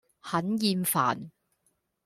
很厭煩